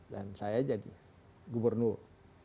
dan saya jadi gubernur